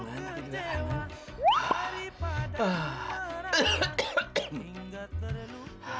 kangen adik adik kangen